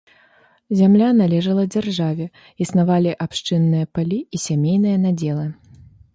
Зямля належала дзяржаве, існавалі абшчынныя палі і сямейныя надзелы.